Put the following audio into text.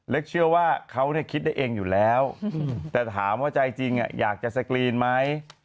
เชื่อว่าเขาคิดได้เองอยู่แล้วแต่ถามว่าใจจริงอยากจะสกรีนไหม